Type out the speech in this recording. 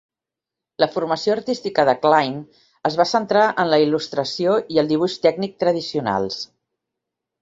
La formació artística de Kline es va centrar en la il·lustració i el dibuix tècnic tradicionals.